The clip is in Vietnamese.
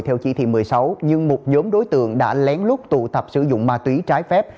theo chỉ thị một mươi sáu nhưng một nhóm đối tượng đã lén lút tụ tập sử dụng ma túy trái phép